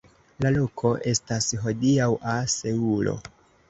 La loko estas hodiaŭa Seulo.